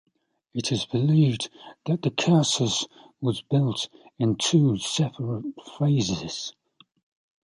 It is believed that the cursus was built in two separate phases.